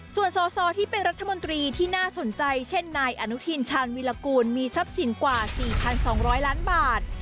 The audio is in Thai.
ส่วนสอสอที่เป็นรัฐมนตรีที่น่าสนใจเช่นนายอนุทินชาญวิรากูลมีทรัพย์สินกว่า๔๒๐๐ล้านบาท